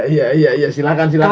iya iya iya silahkan silahkan ya